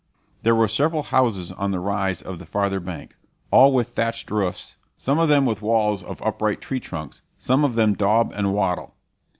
There were several houses on the rise of the farther bank, all with thatched roofs, some of them with walls of upright tree trunks, some of them daub and wattle.